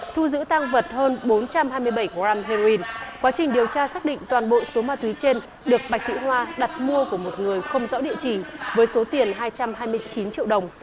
thu giữ tăng vật hơn bốn trăm hai mươi bảy gram heroin quá trình điều tra xác định toàn bộ số ma túy trên được bạch thị hoa đặt mua của một người không rõ địa chỉ với số tiền hai trăm hai mươi chín triệu đồng